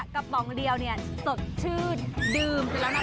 กระป๋องเดียวสดชื่นดื่มไปแล้วนะ